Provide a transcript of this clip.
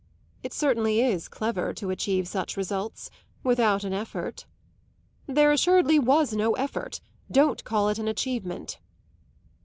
"It certainly is clever to achieve such results without an effort!" "There assuredly was no effort. Don't call it an achievement."